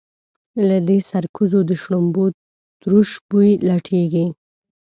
له دې سرکوزو د شړومبو تروش بوی لټېږي.